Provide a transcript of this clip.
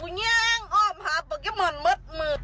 อุ้งย้างออมหาโปเกมอนมดมือ